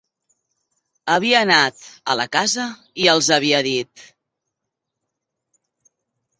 Havia anat a la casa i els havia dit